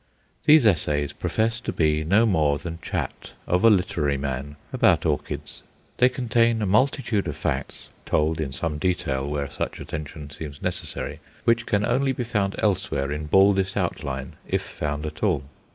These essays profess to be no more than chat of a literary man about orchids. They contain a multitude of facts, told in some detail where such attention seems necessary, which can only be found elsewhere in baldest outline if found at all.